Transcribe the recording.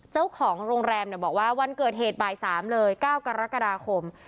เจ้าของโรงแรมบอกว่าวันเกิดเหตุบ่าย๓เลย๙กรกฎาคม